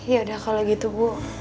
ya dah kalau gitu bu